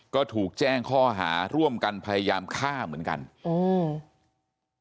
ก็ถูกแจ้งข้อหาร่วมกันพยายามฆ่าเหมือนกันอืม